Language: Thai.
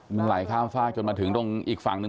มันไหลข้ามฝากจนมาถึงตรงอีกฝั่งหนึ่ง